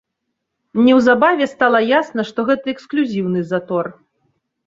Неўзабаве стала ясна, што гэта эксклюзіўны затор.